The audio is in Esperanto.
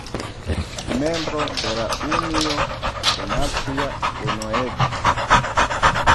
Membro de la Unio de Nacia Unueco.